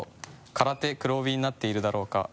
「空手黒帯になっているだろうか？」